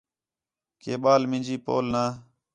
کہ ٻال مینجی پول نہ